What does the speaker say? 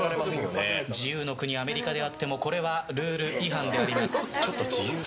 自由の国アメリカであってもこれはルール違反であります。